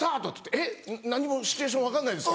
「えっ何にもシチュエーション分かんないですけど」。